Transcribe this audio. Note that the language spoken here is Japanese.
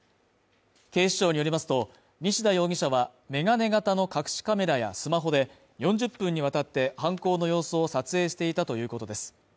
警視庁によりますと、西田容疑者は、眼鏡型の隠しカメラやスマホで４０分にわたって犯行の様子を撮影していたということです。